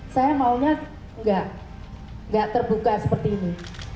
saya maunya nggak terbuka seperti ini